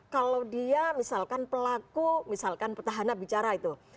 kalau dia misalkan pelaku misalkan petahana bicara itu